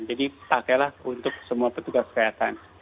jadi pakailah untuk semua petugas kesehatan